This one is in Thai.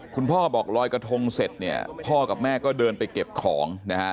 พ่อบอกลอยกระทงเสร็จเนี่ยพ่อกับแม่ก็เดินไปเก็บของนะฮะ